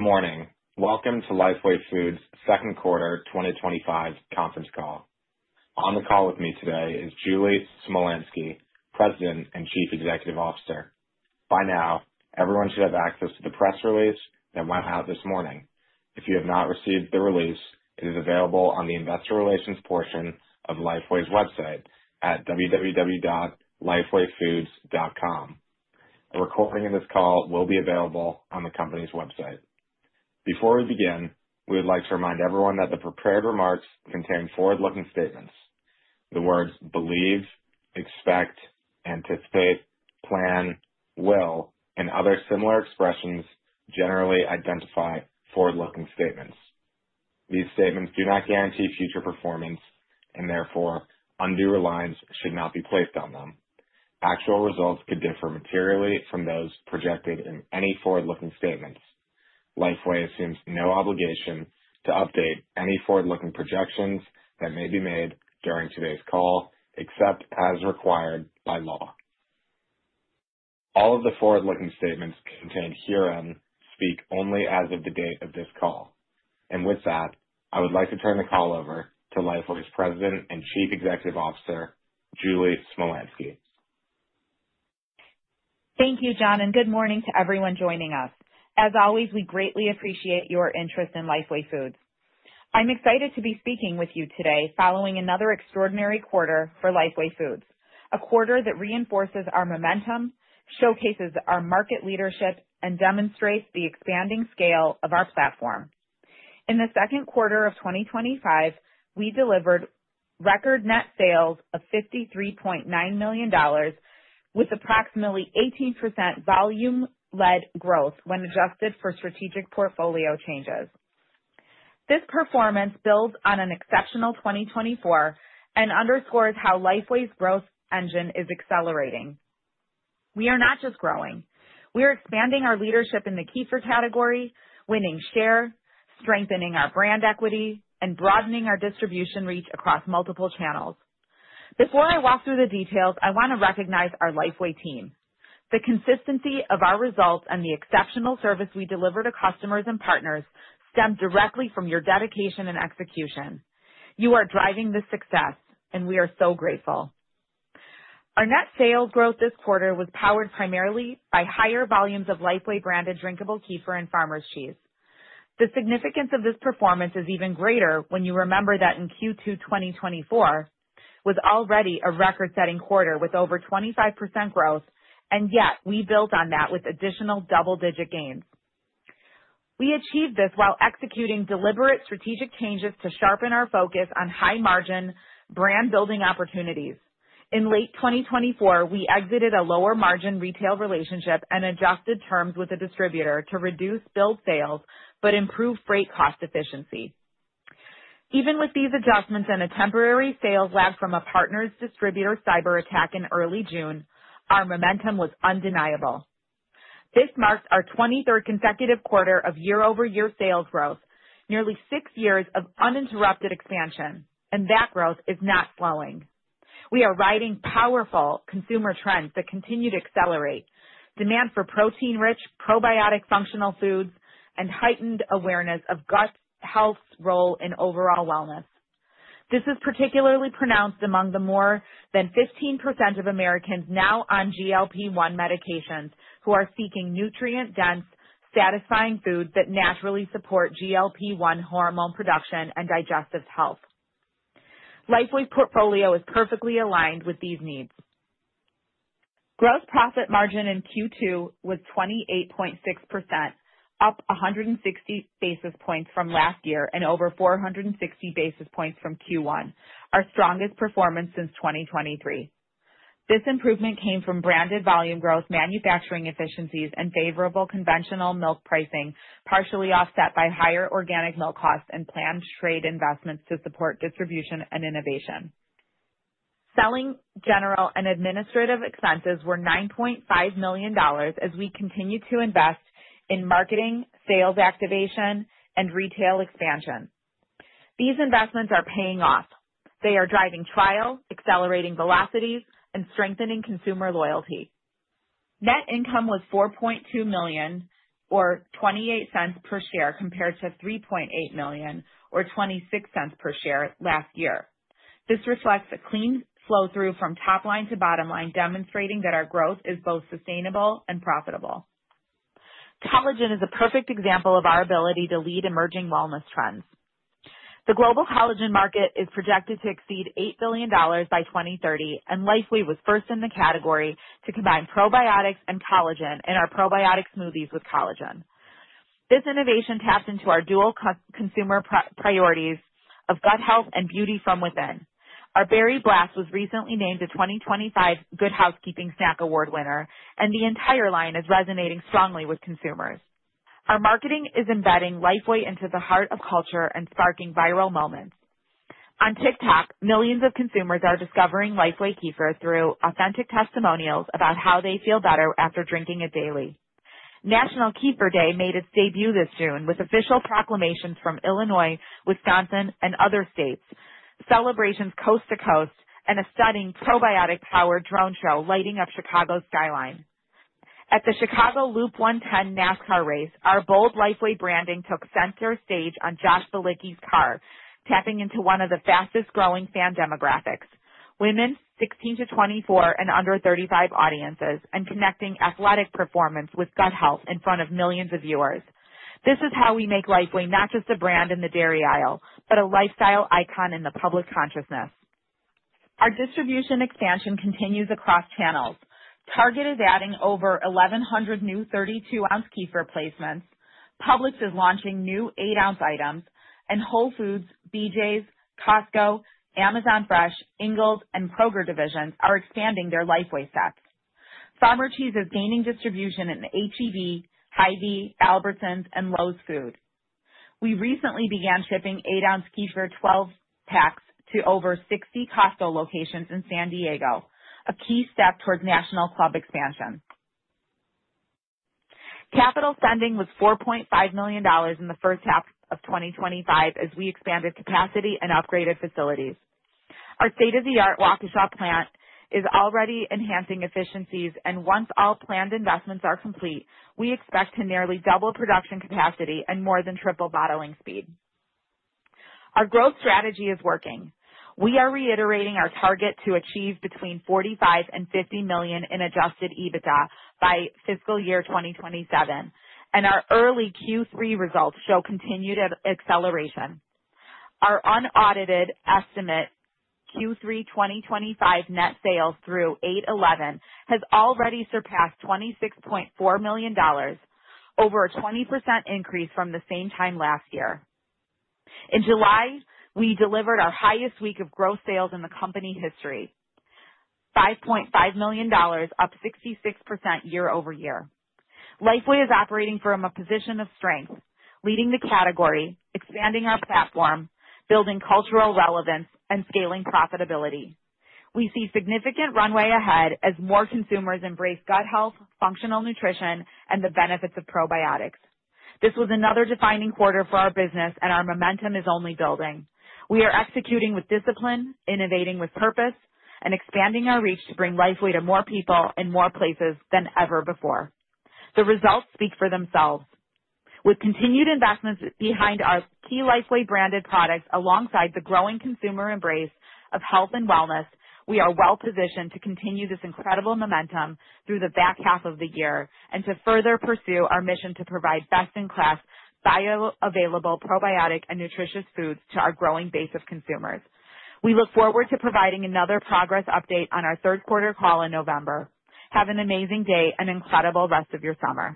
Good morning. Welcome to Lifeway Foods' Second Quarter 2025 Conference Call. On the call with me today is Julie Smolyansky, President and Chief Executive Officer. By now, everyone should have access to the press release that went out this morning. If you have not received the release, it is available on the Investor Relations portion of Lifeway's website at www.lifewayfoods.com. A recording of this call will be available on the company's website. Before we begin, we would like to remind everyone that the prepared remarks contain forward-looking statements. The words believe, expect, anticipate, plan, will, and other similar expressions generally identify forward-looking statements. These statements do not guarantee future performance, and therefore, undue reliance should not be placed on them. Actual results could differ materially from those projected in any forward-looking statements. Lifeway assumes no obligation to update any forward-looking projections that may be made during today's call, except as required by law. All of the forward-looking statements contained herein speak only as of the date of this call. With that, I would like to turn the call over to Lifeway's President and Chief Executive Officer, Julie Smolyansky. Thank you, John, and good morning to everyone joining us. As always, we greatly appreciate your interest in Lifeway Foods. I'm excited to be speaking with you today following another extraordinary quarter for Lifeway Foods, a quarter that reinforces our momentum, showcases our market leadership, and demonstrates the expanding scale of our platform. In the second quarter of 2025, we delivered record net sales of $53.9 million, with approximately 18% volume-led growth when adjusted for strategic portfolio changes. This performance builds on an exceptional 2024 and underscores how Lifeway's growth engine is accelerating. We are not just growing. We are expanding our leadership in the Kefir category, winning share, strengthening our brand equity, and broadening our distribution reach across multiple channels. Before I walk through the details, I want to recognize our Lifeway team. The consistency of our results and the exceptional service we deliver to customers and partners stem directly from your dedication and execution. You are driving this success, and we are so grateful. Our net sales growth this quarter was powered primarily by higher volumes of Lifeway-branded drinkable Kefir and Farmer Cheese. The significance of this performance is even greater when you remember that Q2 2024 was already a record-setting quarter with over 25% growth, and yet we built on that with additional double-digit gains. We achieved this while executing deliberate strategic changes to sharpen our focus on high-margin brand-building opportunities. In late 2024, we exited a lower margin retail relationship and adjusted terms with a distributor to reduce billed sales but improve freight cost efficiency. Even with these adjustments and a temporary sales lag from a partner's distributor cyber attack in early June, our momentum was undeniable. This marks our 23rd consecutive quarter of year-over-year sales growth, nearly six years of uninterrupted expansion, and that growth is not slowing. We are riding powerful consumer trends that continue to accelerate: demand for protein-rich, probiotic functional foods, and heightened awareness of gut health's role in overall wellness. This is particularly pronounced among the more than 15% of Americans now on GLP-1 medications who are seeking nutrient-dense, satisfying foods that naturally support GLP-1 hormone production and digestive health. Lifeway's portfolio is perfectly aligned with these needs. Gross profit margin in Q2 was 28.6%, up 160 basis points from last year and over 460 basis points from Q1, our strongest performance since 2023. This improvement came from branded volume growth, manufacturing efficiencies, and favorable conventional milk pricing, partially offset by higher organic milk costs and planned trade investments to support distribution and innovation. Selling, general, and administrative expenses were $9.5 million as we continued to invest in marketing, sales activation, and retail expansion. These investments are paying off. They are driving trial, accelerating velocities, and strengthening consumer loyalty. Net income was $4.2 million or $0.28 per share compared to $3.8 million or $0.26 per share last year. This reflects a clean flow-through from top line to bottom line, demonstrating that our growth is both sustainable and profitable. Collagen is a perfect example of our ability to lead emerging wellness trends. The global collagen market is projected to exceed $8 billion by 2030, and Lifeway was first in the category to combine probiotics and collagen in our Probiotic Smoothie with Collagen. This innovation tapped into our dual consumer priorities of gut health and beauty from within. Our berry blast was recently named a 2025 Good Housekeeping Snack Award winner, and the entire line is resonating strongly with consumers. Our marketing is embedding Lifeway into the heart of culture and sparking viral moments. On TikTok, millions of consumers are discovering Lifeway Kefir through authentic testimonials about how they feel better after drinking it daily. National Kefir Day made its debut this June with official proclamations from Illinois, Wisconsin, and other states, celebrations coast to coast, and a stunning probiotic-powered drone show lighting up Chicago's skyline. At the Chicago Loop 110 NASCAR race, our bold Lifeway branding took center stage on Josh Bilicki's car, tapping into one of the fastest growing fan demographics: women, 16-24, and under 35 audiences, and connecting athletic performance with gut health in front of millions of viewers. This is how we make Lifeway not just a brand in the dairy aisle, but a lifestyle icon in the public consciousness. Our distribution expansion continues across channels. Target is adding over 1,100 new 32-oz Kefir placements, Publix is launching new 8-oz items, and Whole Foods, BJ’s, Costco, Amazon Fresh, Ingles, and Kroger divisions are expanding their Lifeway sets. Farmer Cheese is gaining distribution in H-E-B, Hy-Vee, Albertsons, and Lowes Foods. We recently began shipping 8-oz Kefir 12-packs to over 60 Costco locations in San Diego, a key step toward national club expansion. Capital spending was $4.5 million in the first half of 2025 as we expanded capacity and upgraded facilities. Our state-of-the-art Waukesha plant is already enhancing efficiencies, and once all planned investments are complete, we expect to nearly double production capacity and more than triple bottling speed. Our growth strategy is working. We are reiterating our target to achieve between $45 million and $50 million in adjusted EBITDA by fiscal year 2027, and our early Q3 results show continued acceleration. Our unaudited estimate Q3 2025 net sales through 8/11 has already surpassed $26.4 million, over a 20% increase from the same time last year. In July, we delivered our highest week of gross sales in the company history: $5.5 million, up 66% year-over-year. Lifeway is operating from a position of strength, leading the category, expanding our platform, building cultural relevance, and scaling profitability. We see significant runway ahead as more consumers embrace gut health, functional nutrition, and the benefits of probiotics. This was another defining quarter for our business, and our momentum is only building. We are executing with discipline, innovating with purpose, and expanding our reach to bring Lifeway to more people in more places than ever before. The results speak for themselves. With continued investments behind our key Lifeway-branded products, alongside the growing consumer embrace of health and wellness, we are well-positioned to continue this incredible momentum through the back half of the year and to further pursue our mission to provide best-in-class bioavailable probiotic and nutritious foods to our growing base of consumers. We look forward to providing another progress update on our third quarter call in November. Have an amazing day and an incredible rest of your summer.